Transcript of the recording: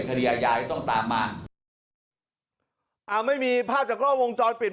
ทฤยายายต้องตามมาเอ่อไม่มีภาพจากโลกวงจอดปิด